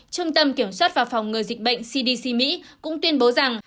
trung tâm kiểm soát và phòng ngừa dịch bệnh cdc mỹ cũng tuyên bố rằng